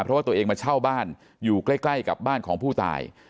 เพราะว่าตัวเองมาเช่าบ้านอยู่ใกล้กับบ้านของผู้ตาย